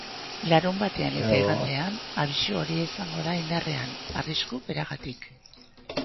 Larunbatean eta igandean, abisu horia izango da indarrean, arrisku beragatik.